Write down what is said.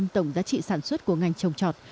tổng giá trị sản xuất của ngành trồng trọt